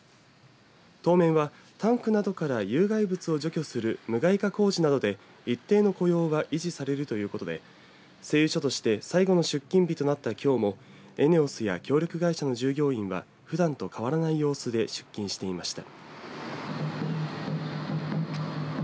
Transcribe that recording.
当面はタンクなどから有害物を除去する無害化工事などで一定の雇用は維持されるということで製油所として最後の出勤日となったきょうもＥＮＥＯＳや協力会社の従業員はふだんと変わらない様子で出勤していました。